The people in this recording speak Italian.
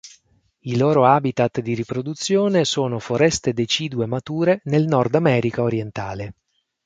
I loro habitat di riproduzione sono foreste decidue mature nel Nord America orientale.